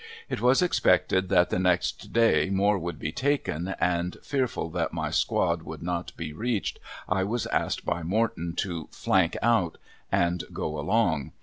It was expected that the next day more would be taken, and fearful that my squad would not be reached I was asked by Morton to "flank out" and go along.